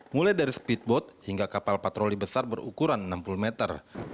mulai dari speedboat hingga kapal patroli besar berukuran enam puluh meter